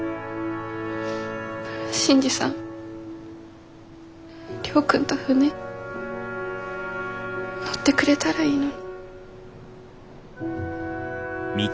新次さん亮君と船乗ってくれたらいいのに。